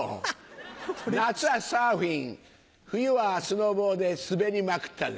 夏はサーフィン冬はスノボーで滑りまくったぜ！